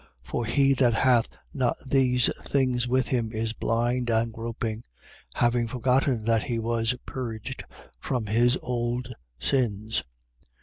1:9. For he that hath not these things with him is blind and groping, having forgotten that he was purged from his old sins.